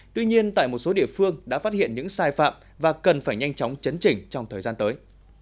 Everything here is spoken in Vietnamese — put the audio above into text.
tuy nhiên tại một số địa phương đã phát hiện những sai phạm và cần phải nhanh chóng chấn chỉnh trong thời gian tới